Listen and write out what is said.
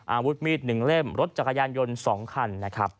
อาวุธมีด๑เล่มรถจักรยานยนต์๒คันนะครับ